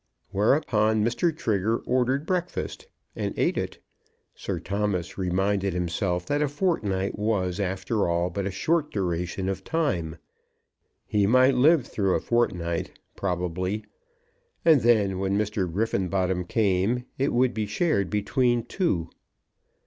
Whereupon Mr. Trigger ordered breakfast, and eat it. Sir Thomas reminded himself that a fortnight was after all but a short duration of time. He might live through a fortnight, probably, and then when Mr. Griffenbottom came it would be shared between two.